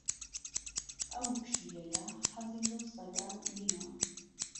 ئەو پشیلەیە حەزی لەو سەگە نییە.